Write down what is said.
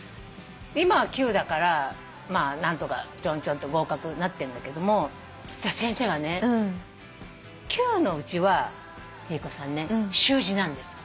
今は級だからまあなんとかちょんちょんと合格なってんだけども先生がね「級のうちは貴理子さんね習字なんです」